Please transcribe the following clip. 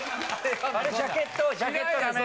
あれジャケットジャケットダメ。